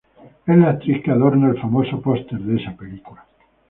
Es la actriz que adorna el famoso póster de esa película.